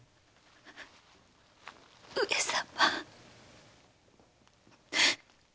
上様！